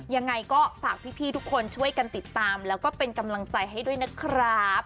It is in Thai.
ยังไงก็ฝากพี่ทุกคนช่วยกันติดตามแล้วก็เป็นกำลังใจให้ด้วยนะครับ